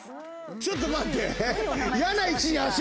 ちょっと待って！